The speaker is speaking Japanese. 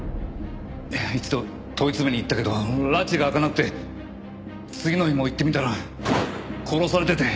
一度問い詰めに行ったけど埒が明かなくて次の日も行ってみたら殺されてて。